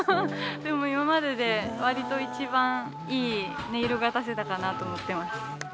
でも今までで割と一番いい音色が出せたかなと思ってます。